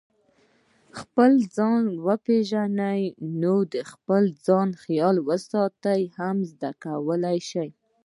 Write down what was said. خپل ځان وپېژنئ نو د خپل ځان خیال ساتنه هم زده کولای شئ.